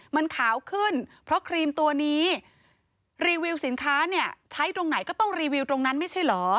มันขาวขึ้นเพราะครีมตัวนี้รีวิวสินค้าเนี่ยใช้ตรงไหนก็ต้องรีวิวตรงนั้นไม่ใช่เหรอ